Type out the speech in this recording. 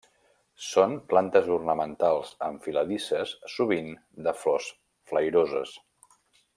Són plantes ornamentals enfiladisses sovint de flors flairoses.